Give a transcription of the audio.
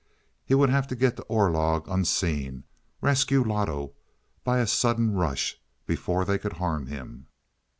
He would have to get to Orlog unseen rescue Loto by a sudden rush, before they could harm him.